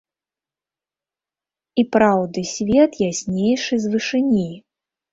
І праўды свет яснейшы з вышыні.